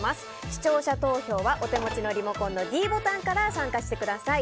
視聴者投票はお手持ちのリモコンのｄボタンから参加してください。